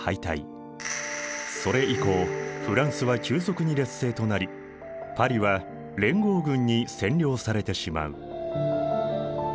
それ以降フランスは急速に劣勢となりパリは連合軍に占領されてしまう。